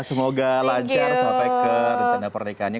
semoga lancar sampai ke rencana pernikahannya